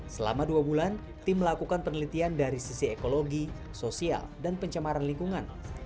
selama dua bulan tim melakukan penelitian dari sisi ekologi sosial dan pencemaran lingkungan